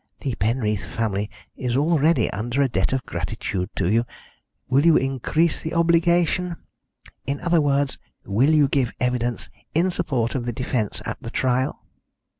The Penreath family is already under a debt of gratitude to you will you increase the obligation? In other words, will you give evidence in support of the defence at the trial?"